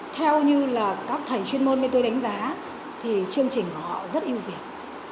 theo như là các thầy chuyên môn bên tôi đánh giá thì chương trình của họ rất yêu việt